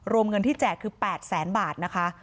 รวมเงินที่แจกคือ๘แสนบาทนะคะ